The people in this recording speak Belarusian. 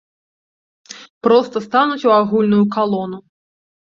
Проста стануць у агульную калону.